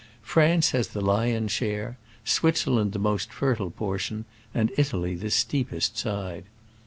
France has the lion's share, Switzerland the most fertile portion, and Italy the steepest side.